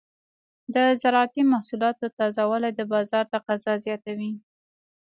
د زراعتي محصولاتو تازه والي د بازار تقاضا زیاتوي.